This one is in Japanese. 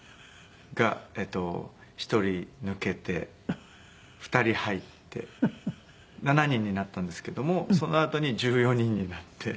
が１人抜けて２人入って７人になったんですけどもそのあとに１４人になって。